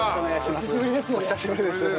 お久しぶりです。